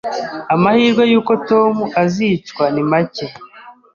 Amahirwe yuko Tom azicwa ni make